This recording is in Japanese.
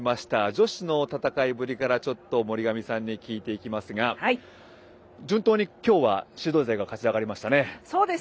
女子の戦いぶりから森上さんに聞いていきますが順当に今日はシード勢が勝ち上がりましたね。